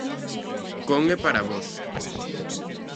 Con e para vós.